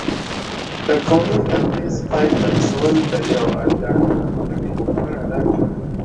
د قومي تبعیض پای ته رسول د یو عادلانه ټولنې غوښتنه ده.